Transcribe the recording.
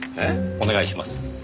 お願いします。